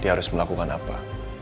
dia harus melakukan apa